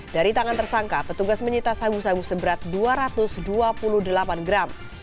dari tangan tersangka petugas menyita sabu sabu seberat dua ratus dua puluh delapan gram